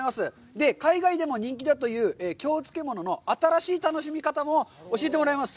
で、海外でも人気だという京漬物の新しい楽しみ方も教えてもらいます。